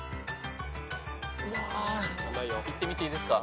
いってみていいですか？